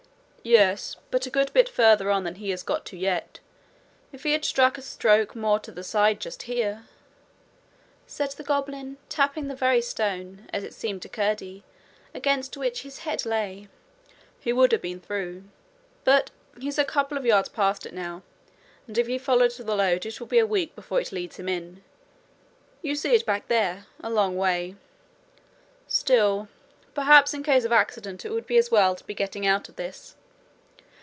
'Yes, but a good bit farther on than he has got to yet. If he had struck a stroke more to the side just here,' said the goblin, tapping the very stone, as it seemed to Curdie, against which his head lay, 'he would have been through; but he's a couple of yards past it now, and if he follow the lode it will be a week before it leads him in. You see it back there a long way. Still, perhaps, in case of accident it would be as well to be getting out of this.